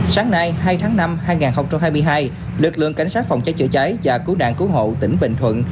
sáng nay hai tháng năm hai nghìn hai mươi hai lực lượng cảnh sát phòng cháy chữa cháy và cứu nạn cứu hộ tỉnh bình thuận